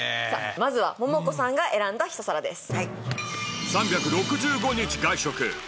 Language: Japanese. まずはモモコさんが選んだ一皿です。